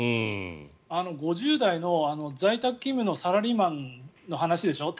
５０代の在宅勤務のサラリーマンの話でしょ。